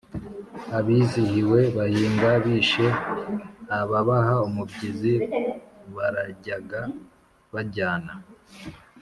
Abizihiwe bahinga Bishe ababaha umubyizi Barajyaga bajyana !